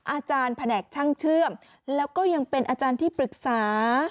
อาจารย์แผนกช่างเชื่อมแล้วก็ยังเป็นอาจารย์ที่ปรึกษา